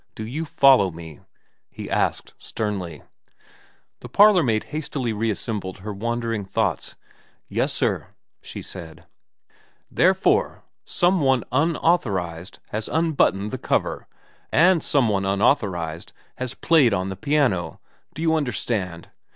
' Do you follow me ?' he asked sternly. 234 VERA xn The parlourmaid hastily reassembled her wandering thoughts. Yes sir,' she said. ' Therefore some one unauthorised has unbuttoned the cover, and some one unauthorised has played on the piano. Do you understand